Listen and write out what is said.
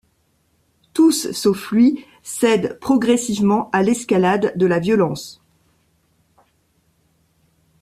Tous sauf lui, cèdent progressivement à l'escalade de la violence.